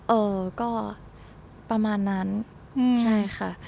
เอ่อก็ประมาณนั้นใช่ค่ะ